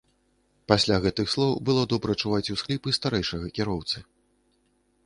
Пасля гэтых слоў было добра чуваць усхліпы старэйшага кіроўцы.